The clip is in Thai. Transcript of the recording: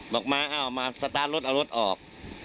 บอกมาอ้าวมาสตาร์ทรถเอารถออก